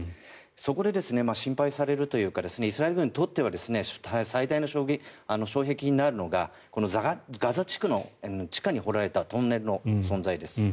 そこで心配されるというかイスラエル軍にとっては最大の障壁になるのがこのガザ地区の地下に掘られたトンネルの存在です。